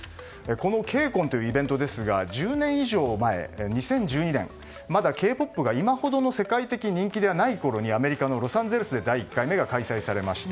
この「ＫＣＯＮ」というイベントですが１０年以上前、２０１２年まだＫ‐ＰＯＰが今ほどの世界的人気ではないころにアメリカのロサンゼルスで第１回目が開催されました。